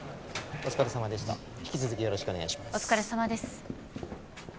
お疲れさまです